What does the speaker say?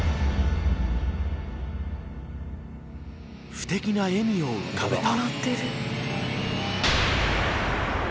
不敵な笑みを浮かべた。